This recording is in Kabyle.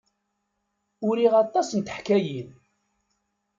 Uriɣ aṭas n teḥkayin.